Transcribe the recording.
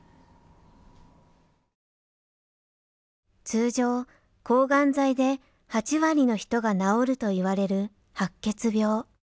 通常抗がん剤で８割の人が治るといわれる白血病。